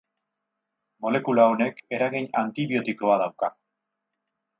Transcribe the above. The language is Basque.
Molekula honek eragin antibiotikoa dauka.